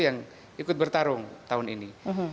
yang ikut bertarung tahun ini